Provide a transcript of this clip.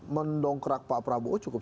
mendongkrak pak prabowo cukup